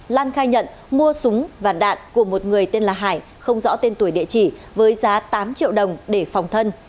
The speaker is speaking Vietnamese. lan khai nhận mua súng và đạn của một người tên là hải không rõ tên tuổi địa chỉ với giá tám triệu đồng để phòng thân